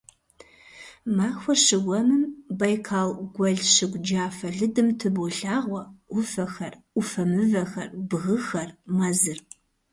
Махуэр щыуэмым Байкал гуэл щыгу джафэ лыдым тыболъагъуэ Ӏуфэхэр, Ӏуфэ мывэхэр, бгыхэр, мэзыр.